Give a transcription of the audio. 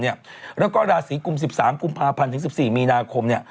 แล้วก็ราศีกุม๑๓กุมภาพันธ์ถึง๑๔มีนาคม